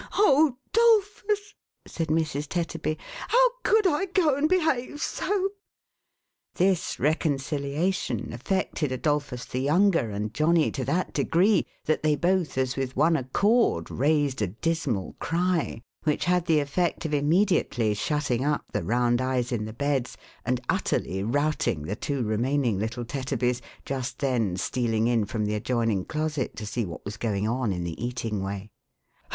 " Oh, 'Dolphus !" said Mrs. Tetterby, " how could I go and behave so ?" This reconciliation affected Adolphus the younger and Johnny to that degree, that they both, 'as with one accord, raised a dismal cry, which had the effect of immediately shutting up the round eyes in the beds, and utterly routing the two remaining little Tetterbys, just then stealing in from the adjoining closet to see what was going on in the eating way.